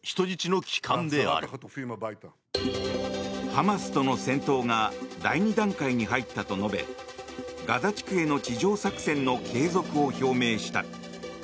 ハマスとの戦闘が第２段階に入ったと述べガザ地区への地上作戦の継続を表明した。